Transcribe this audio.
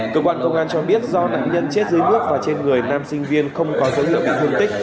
cơ quan công an cho biết do nạn nhân chết dưới nước và trên người nam sinh viên không có dấu hiệu bị thương tích